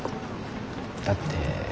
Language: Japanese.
だって。